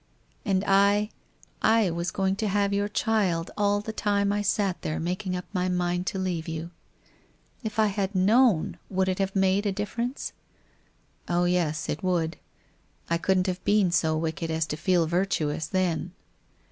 And I, I was going to have your child all the time I sat there making up my mind to leave you. If I had known would it have made a difference? Oh, yes, it would. I couldn't have been so wicked as to feel virtuous, then.